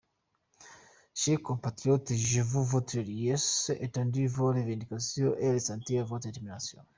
Chers compatriotes, j'ai vu votre liesse, entendu vos revendications et ressenti votre détermination.